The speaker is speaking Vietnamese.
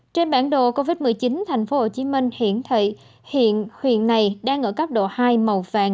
trên bản đồ covid một mươi chín thành phố hồ chí minh hiện thị hiện huyện này đang ở cấp độ hai màu vàng